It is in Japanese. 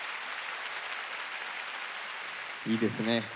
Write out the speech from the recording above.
いいですね